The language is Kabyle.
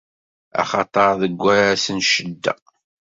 Axaṭer deg wass n ccedda.